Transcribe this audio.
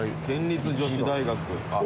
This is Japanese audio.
県立女子大学。